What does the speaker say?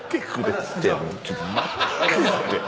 ちょっと待ってって。